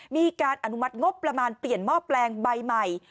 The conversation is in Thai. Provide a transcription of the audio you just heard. มีการอนุมัติงบประมาณเปลี่ยนหม้อแปลงใบใหม่